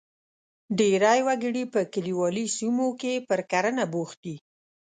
ډېری وګړي په کلیوالي سیمو کې پر کرنه بوخت دي.